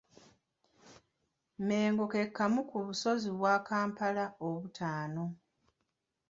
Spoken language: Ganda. Mmengo ke kamu ku busozi bwa Kampala obutaano.